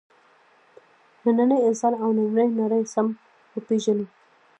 نننی انسان او نننۍ نړۍ سم وپېژنو.